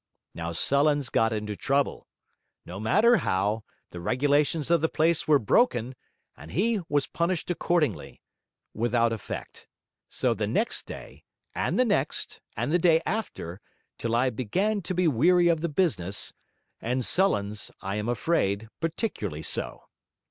Now Sullens got into trouble; no matter how; the regulations of the place were broken, and he was punished accordingly without effect. So, the next day, and the next, and the day after, till I began to be weary of the business, and Sullens (I am afraid) particularly so.